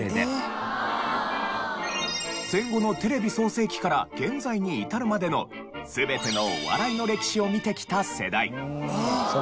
戦後のテレビ創成期から現在に至るまでの全てのお笑いの歴史を見てきた世代。